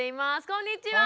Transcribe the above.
こんにちは。